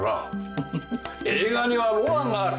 フフフ映画にはロマンがある。